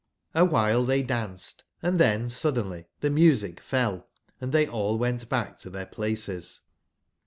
Hwbile tbeydanced,& tben suddenly tbe music fell, and tbey all went back to tbeir places.